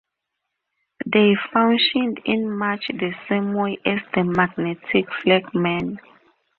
They functioned in much the same way as the Magnetic Flagmen.